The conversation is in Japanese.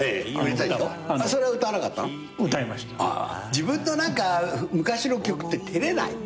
自分の昔の曲って照れない？